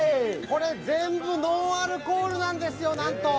これ、全部ノンアルコールなんですよ。